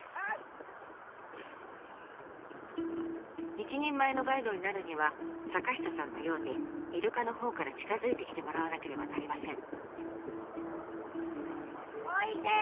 一人前のガイドになるには坂下さんのようにイルカのほうから近づいてきてもらわなければなりません。